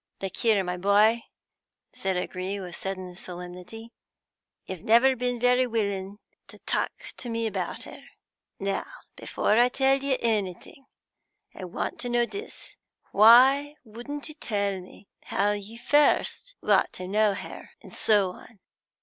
"Look here, my boy," said O'Gree, with sudden solemnity, "you've never been very willing to talk to me about her. Now, before I tell you anything, I want to know this. Why wouldn't you tell me how you first got to know her, and so on?"